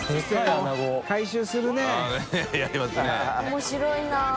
面白いな。